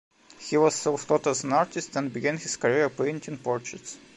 He was self-taught as an artist and began his career painting portraits.